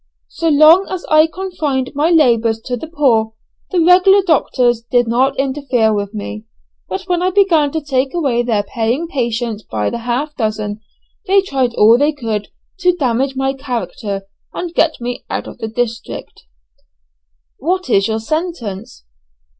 So long as I confined my labours to the poor, the regular doctors did not interfere with me, but when I began to take away their paying patients by the half dozen, they tried all they could to damage my character, and get me out of the district." "What is your sentence?"